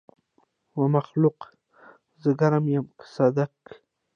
ومخلوقه! زه ګرم يم که صدک.